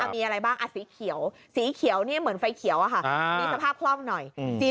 มีอะไรบ้างสีเขียวเหมือนไฟเขียวมีสภาพคล่องหน่อย